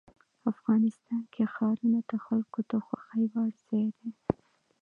افغانستان کې ښارونه د خلکو د خوښې وړ ځای دی.